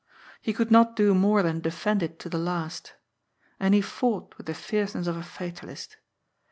He could not do more than defend it to the last. And he fought with the fierceness of a fatalist.